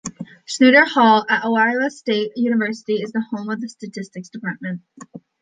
Snedecor Hall, at Iowa State University, is the home of the Statistics Department.